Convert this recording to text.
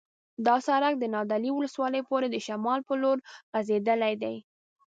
دا سرک د نادعلي ولسوالۍ پورې د شمال په لور غځېدلی دی